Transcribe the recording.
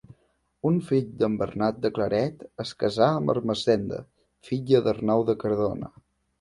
Un fill de Bernat de Claret es casà amb Ermessenda, filla d’Arnau de Cardona.